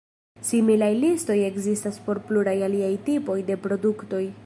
Similaj listoj ekzistas por pluraj aliaj tipoj de produktoj.